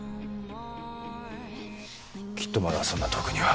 きっとまだそんな遠くには。